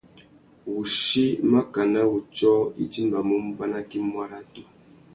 Wuchí makana wutiō i timbamú mubanaki muaratu.